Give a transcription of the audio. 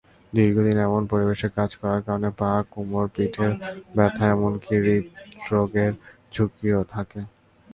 দীর্ঘদিন এমন পরিবেশে কাজ করার কারণে পা-কোমর-পিঠের ব্যথা এমনকি হূদরোগের ঝুঁকিও থাকে।